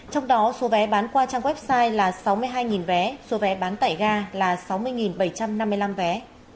trong đó số vé bán qua trang website là sáu mươi hai vé số vé bán tải ga là sáu mươi bảy trăm năm mươi năm vé